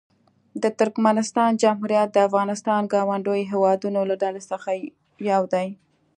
د ترکمنستان جمهوریت د افغانستان ګاونډیو هېوادونو له ډلې څخه یو دی.